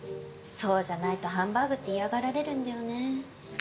そうじゃないとハンバーグって嫌がられるんだよね。